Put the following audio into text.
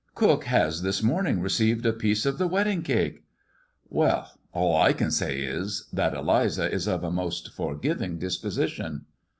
Cook has this morning received a piece of the wedding cake." " Well, all I can say is, that Eliza is of a most forgiving disposition."